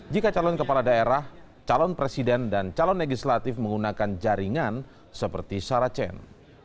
jika calon kepala daerah calon presiden dan calon legislatif menggunakan jaringan seperti saracen